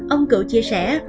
ông cựu chia sẻ